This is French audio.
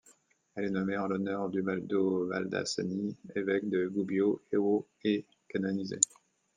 Elle est nommée en l'honneur d'Ubaldo Baldassini, évêque de Gubbio au et canonisé.